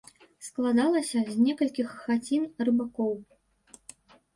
Складалася з некалькіх хацін рыбакоў.